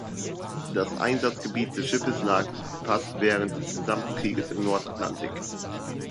Das Einsatzgebiet des Schiffes lag fast während des gesamten Krieges im Nordatlantik.